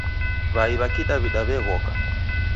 Wai wa kidawida weghoka